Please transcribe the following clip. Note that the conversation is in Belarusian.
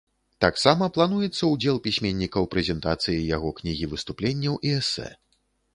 Таксама плануецца ўдзел пісьменніка ў прэзентацыі яго кнігі выступленняў і эсэ.